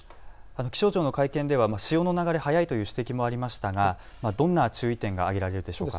気象庁の会見では潮の流れが速いという指摘もありましたがどんな注意点が挙げられるでしょうか。